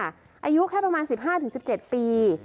อายุแค่ประมาณ๑๕๑๗ปี